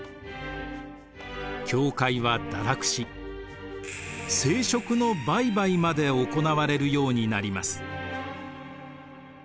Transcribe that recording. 教会は堕落し聖職の売買まで行われるようになります。